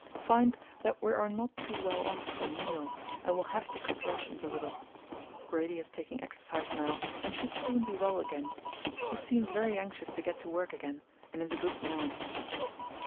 Find that we are not too well off for meals and will have to cut rations a little. Grady is taking exercise now and should soon be well again. He seems very anxious to get to work again, and is a good man.